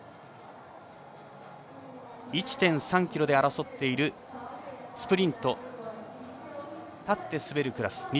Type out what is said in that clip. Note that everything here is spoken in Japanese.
１．３ｋｍで争っているスプリントの立って滑るクラス。